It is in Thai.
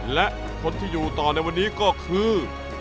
และคนที่อยู่ต่อในวันนี้ก็คือ